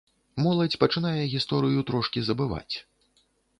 Моладзь пачынае гісторыю трошкі забываць.